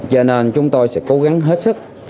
cho nên chúng tôi sẽ cố gắng hết sức